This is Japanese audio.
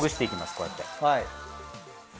こうやって。